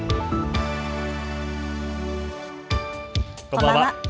こんばんは。